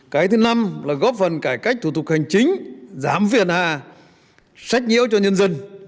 cái thứ năm là góp phần cải cách thủ tục hành chính giám viện hạ sách nhiễu cho nhân dân